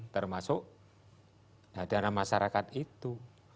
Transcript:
termasuk hadaran masyarakat itu